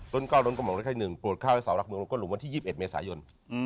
ต้นเก้าร้นกำลังเล็กให้หนึ่งปวดข้าวให้สาวรักเมืองลงก้นหลุมวันที่๒๑เมษายน